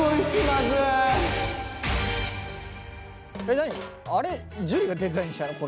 何あれ樹がデザインしたの？